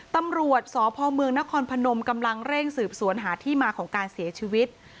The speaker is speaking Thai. ตำรวจสพเมืองนครพนมกำลังเร่งสืบสวนหาที่มาของการเสียชีวิต